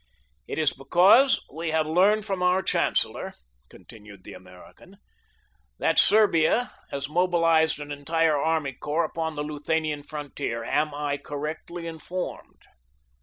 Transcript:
"It is because we have learned from our chancellor," continued the American, "that Serbia has mobilized an entire army corps upon the Luthanian frontier. Am I correctly informed?"